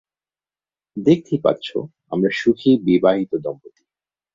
দেখতেই পাচ্ছো, আমরা সুখী বিবাহিত দম্পতি।